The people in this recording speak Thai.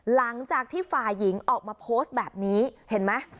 หลังจากที่ฝ่ายหญิงออกมาโพสต์แบบนี้เห็นไหม